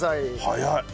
早い！